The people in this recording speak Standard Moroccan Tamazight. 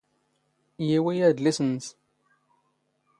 ⵢⵉⵡⵉ ⴰⴷⵍⵉⵙ ⵏⵏⵙ.